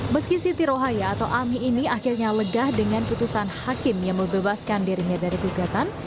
meski siti rohaya atau ami ini akhirnya legah dengan putusan hakim yang membebaskan dirinya dari gugatan